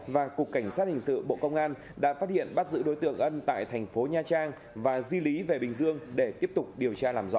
và cục cảnh sát hình sự bộ công an đã phát hiện bắt giữ đối tượng ân tại thành phố nha trang và di lý về bình dương để tiếp tục điều tra làm rõ